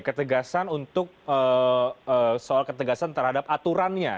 ketegasan untuk soal ketegasan terhadap aturannya